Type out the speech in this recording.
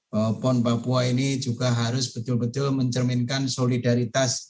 bahwa pon papua ini juga harus betul betul mencerminkan solidaritas